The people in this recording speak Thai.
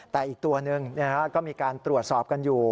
แต่อีกตัวหนึ่งก็มีการตรวจสอบกันอยู่